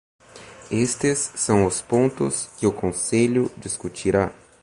Estes são os pontos que o Conselho discutirá.